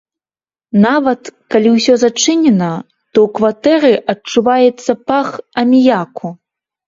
Нават, калі ўсё зачынена, то ў кватэры адчуваецца пах аміяку.